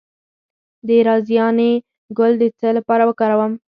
د رازیانې ګل د څه لپاره وکاروم؟